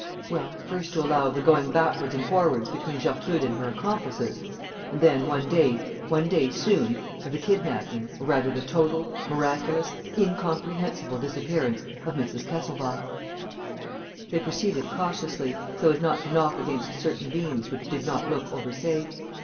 "Well, first to allow of the going backwards and forwards between Gertrude and her accomplices ... and then, one day, one day soon, of the kidnapping, or rather the total, miraculous, incomprehensible disappearance of Mrs. Kesselbach." They proceeded cautiously, so as not to knock against certain beams which did not look over safe.